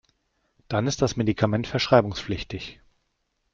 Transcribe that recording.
Dann ist das Medikament verschreibungspflichtig.